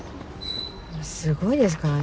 すごいですからね。